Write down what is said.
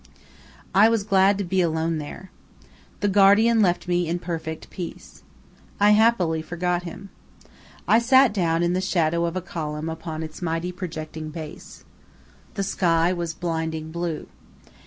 I was glad to be alone there. The guardian left me in perfect peace. I happily forgot him. I sat down in the shadow of a column upon its mighty projecting base. The sky was blinding blue.